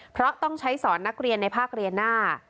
เพราะต้องใช้สอนนักเรียนในภาคเรียนหน้า